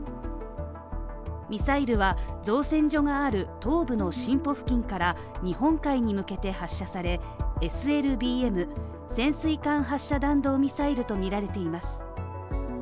ミサイルは造船所がある東部の新浦付近から日本海に向けて発射され、ＳＬＢＭ＝潜水艦発射弾道ミサイルとみられています。